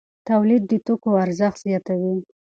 تولید د توکو ارزښت زیاتوي.